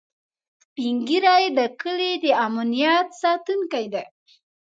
سپین ږیری د کلي د امنيت ساتونکي دي